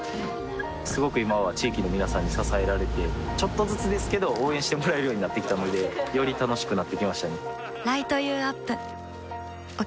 すごく今は地域の皆さんに支えられてちょっとずつですけど応援してもらえるようになってきたのでより楽しくなってきましたね